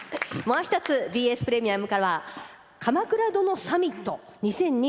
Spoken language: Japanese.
もう一つＢＳプレミアムからは鎌倉殿サミット２０２２